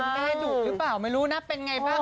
แม่ดุหรือเปล่าไม่รู้นะเป็นไงบ้าง